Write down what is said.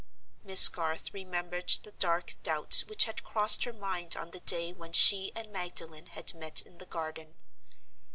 Miss Garth remembered the dark doubts which had crossed her mind on the day when she and Magdalen had met in the garden.